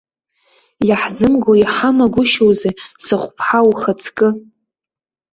Иаҳзымго иҳамагәышьоузеи, сыхәԥҳа ухаҵкы!